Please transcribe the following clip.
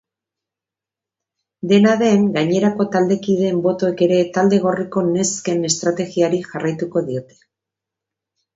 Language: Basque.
Dena den, gainerako taldekideen botoek ere talde gorriko nesken estrategiari jarraitu diote.